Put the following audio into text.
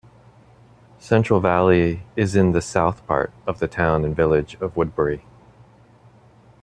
Central Valley is in the south part of the Town and Village of Woodbury.